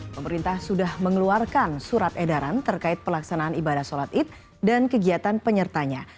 pemerintah sudah mengeluarkan surat edaran terkait pelaksanaan ibadah sholat id dan kegiatan penyertanya